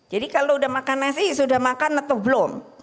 jadi kalau udah makan nasi sudah makan atau belum